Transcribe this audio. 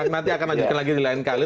nanti akan lanjutkan lagi di lain kali